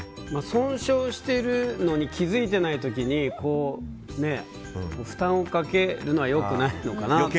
損傷してるのに気づいてない時に負担をかけるのは良くないのかなと。